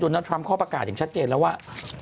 นัททรัมป์เขาประกาศอย่างชัดเจนแล้วว่า